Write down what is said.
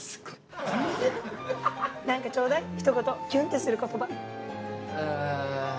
何か頂戴ひと言キュンってする言葉。